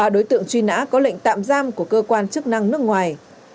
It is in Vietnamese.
ba đối tượng truy nã có lệnh tạm giam của cơ quan chức năng nước ngoài